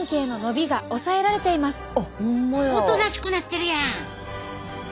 おとなしくなってるやん！